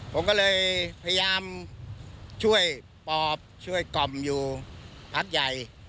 ผมก็เลยพยายามช่วยปอบช่วยกล่อมอยู่พักใหญ่